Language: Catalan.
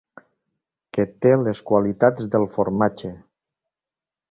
Que té les qualitats del formatge.